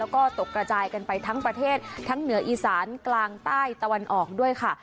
แล้วก็ตกกระจายกันไปทั้งประเทศทั้งเหนืออีสานกลางใต้ตะวันออกด้วยค่ะ